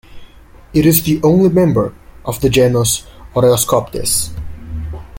It is the only member of the genus Oreoscoptes.